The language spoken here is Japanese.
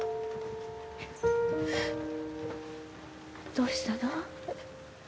どうしたの？